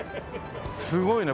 すごいね。